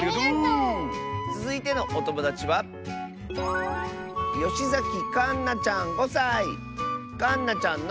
つづいてのおともだちはかんなちゃんの。